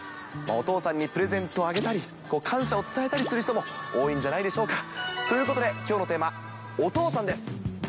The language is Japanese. お父さんにプレゼントをあげたり、感謝を伝えたりする人も多いんじゃないでしょうか。ということで、きょうのテーマはお父さんです。